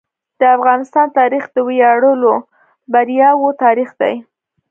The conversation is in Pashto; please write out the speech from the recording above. د افغانستان تاریخ د ویاړلو بریاوو تاریخ دی.